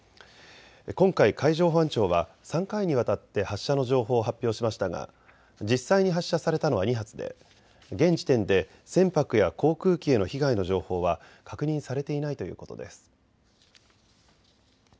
今回海上保安庁は３回にわたって発射の情報を発表しましたが実際に発射されたのは２発で現時点で船舶や航空機への被害の情報は確認されていないということです。